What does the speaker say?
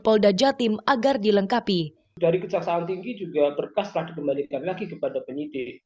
polda jatim agar dilengkapi dari kejaksaan tinggi juga berkas telah dikembalikan lagi kepada penyidik